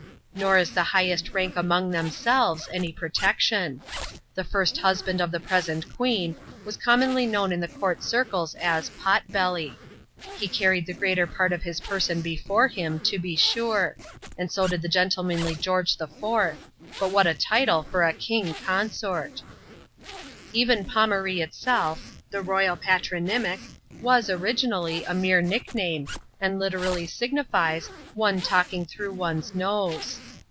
Nor is the« highest rank among themselved any protection* The first husband of the present queen was oowr monly known in the court circles, as '' Pot Belly." Ifo caFtifid the greater part of his person before him, to be sure ; and so did the gentlemanly Greorg<&\Y. ^\^wi ^ha.t 9l Utle for a.king eonaort 1 <JHAF. Lxvm.] A I>mNER PARTY IN IMEEO. ^63 Even " Pomaree " itself, the royal patronymic, was, originally, a mere nickname, and literally signifies, one talking through his nose.